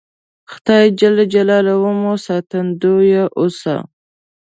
خدای ج مو ساتندویه اوسه